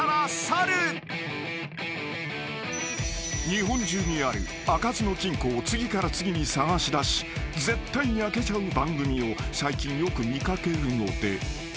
［日本中にある開かずの金庫を次から次に探しだし絶対に開けちゃう番組を最近よく見掛けるので］